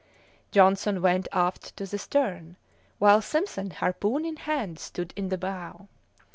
Johnson went aft to the stern, while Simpson, harpoon in hand, stood in the bow.